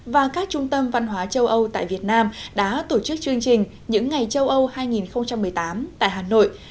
và các trung tâm văn hóa châu âu tại việt nam đã tổ chức chương trình những ngày châu âu hai nghìn một mươi tám tại hà nội